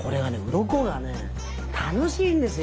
鱗がね楽しいんですよ。